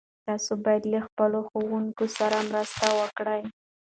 تاسو باید له خپلو ښوونکو سره مرسته وکړئ.